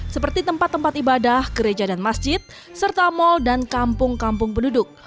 seperti tempat tempat ibadah gereja dan masjid serta mal dan kampung kampung penduduk